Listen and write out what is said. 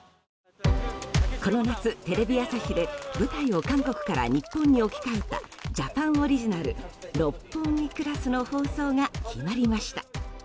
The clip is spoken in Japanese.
この夏、テレビ朝日で舞台を韓国から日本に置き換えたジャパン・オリジナル「六本木クラス」の放送が決まりました。